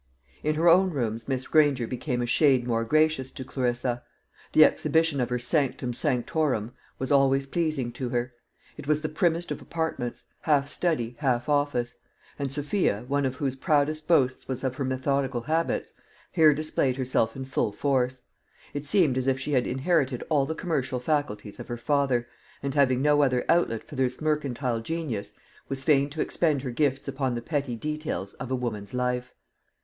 In her own rooms Miss Granger became a shade more gracious to Clarissa. The exhibition of her sanctum sanctorum was always pleasing to her. It was the primmest of apartments, half study, half office; and Sophia, one of whose proudest boasts was of her methodical habits, here displayed herself in full force. It seemed as if she had inherited all the commercial faculties of her father, and having no other outlet for this mercantile genius, was fain to expend her gifts upon the petty details of a woman's life.